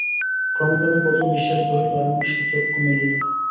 ক্রমে ক্রমে বধূর নিশ্বাস বহিল এবং সে চক্ষু মেলিল।